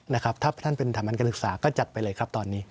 นะครับถ้าท่านเป็นสถาบันการศึกษาก็จัดไปเลยครับตอนนี้